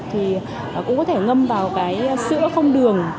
thì cũng có thể ngâm vào cái sữa không đường